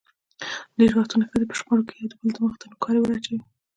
ډېری وختونه ښځې په شخړو کې یو دبل مخ ته نوکارې ور اچوي.